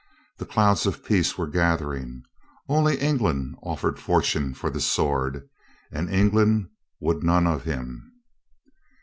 The clouds of peace were gathering. Only England offered fortune for the sword, and England would none of him.